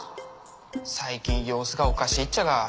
最近様子がおかしいっちゃが。